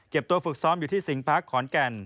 ตัวฝึกซ้อมอยู่ที่สิงพาร์คขอนแก่น